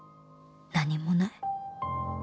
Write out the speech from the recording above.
何もない」